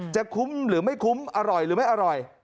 คุ้มหรือไม่คุ้มอร่อยหรือไม่อร่อย